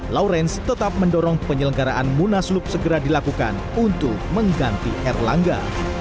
lawrence tetap mendorong penyelenggaraan munaslup segera dilakukan untuk mengganti erlangga